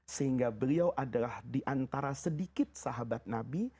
sehingga beliau adalah di antara sedikit sahabat nabi